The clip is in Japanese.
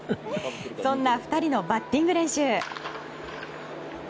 そんな２人のバッティング練習。